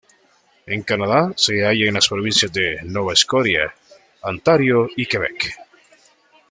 En Canadá se halla en las provincias de Nova Scotia, Ontario y Quebec.